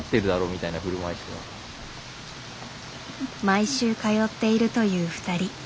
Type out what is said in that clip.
毎週通っているという２人。